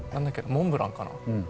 モンブランかな。